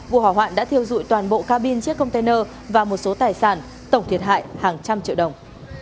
vụ hỏa hoạn đã thiêu dụi toàn bộ ca bin chiếc container và một số tài sản tổng thiệt hại hàng trăm triệu đồng